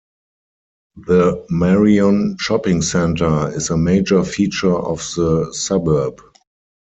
The Marion Shopping Centre is a major feature of the suburb.